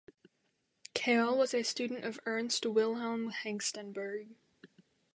Keil was a student of Ernst Wilhelm Hengstenberg.